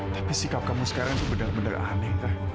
tapi sikap kamu sekarang tuh benar benar aneh